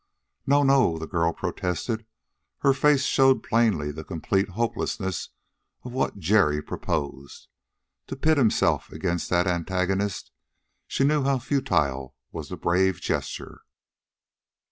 "No no!" the girl protested. Her face showed plainly the complete hopelessness of what Jerry proposed. To pit himself against that antagonist she knew how futile was the brave gesture.